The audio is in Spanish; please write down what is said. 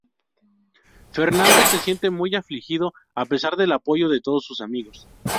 Fernando se siente muy afligido a pesar del apoyo de todos sus amigos.